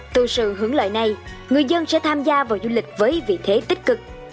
từ sự hướng lợi này người dân sẽ tham gia vào du lịch với vị thế tích cực